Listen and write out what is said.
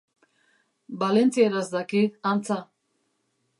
Valentzieraz daki, antza.